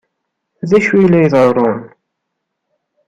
D acu ay la iḍerrun?